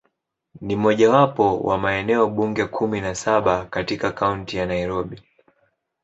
Ni mojawapo wa maeneo bunge kumi na saba katika Kaunti ya Nairobi.